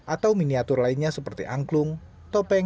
atau miniatur lainnya seperti angklung topeng dan serulung